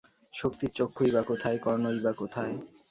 শক্তির চক্ষুই বা কোথায়, কর্ণই বা কোথায়?